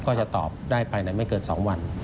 ก็จะตอบได้ภายในไม่เกิน๒วัน